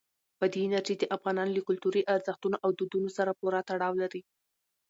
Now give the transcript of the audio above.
بادي انرژي د افغانانو له کلتوري ارزښتونو او دودونو سره پوره تړاو لري.